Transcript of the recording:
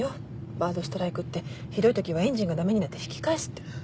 バードストライクってひどいときはエンジンが駄目になって引き返すって。